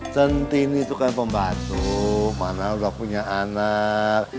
centin itu kan pembantu mana udah punya anak